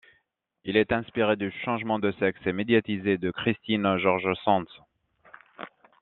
Il est inspiré du changement de sexe médiatisé de Christine Jorgensen.